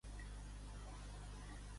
dites castellanes traduïdes literalment